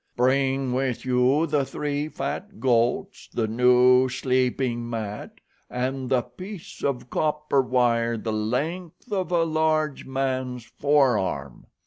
Bring with you the three fat goats, the new sleeping mat, and the piece of copper wire the length of a large man's forearm."